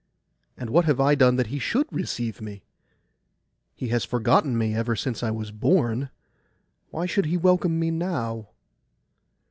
And what have I done that he should receive me? He has forgotten me ever since I was born: why should he welcome me now?